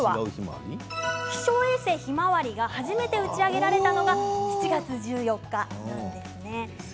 気象衛星ひまわりが初めて打ち上げられたのが７月１４日なんです。